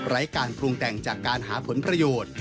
การปรุงแต่งจากการหาผลประโยชน์